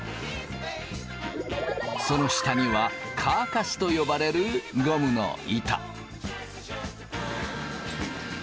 その下にはカーカスと呼ばれるゴムの板。